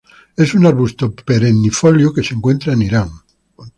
Es un arbusto perennifolio que se encuentra en Irán.